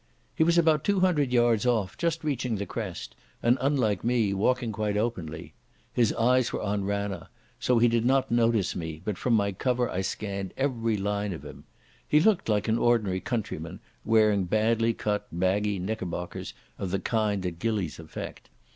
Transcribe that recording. He was about two hundred yards off, just reaching the crest, and, unlike me, walking quite openly. His eyes were on Ranna, so he did not notice me, but from my cover I scanned every line of him. He looked an ordinary countryman, wearing badly cut, baggy knickerbockers of the kind that gillies affect.